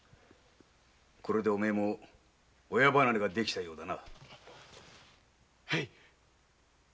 これでお前も親離れができたようだな。